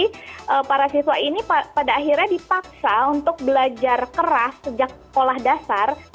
jadi para siswa ini pada akhirnya dipaksa untuk belajar keras sejak sekolah dasar